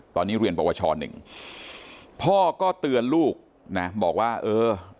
ตอนนี้เรียนปวชหนึ่งพ่อก็เตือนลูกนะบอกว่าเออ